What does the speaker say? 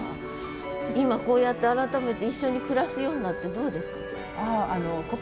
今こうやって改めて一緒に暮らすようになってどうですか？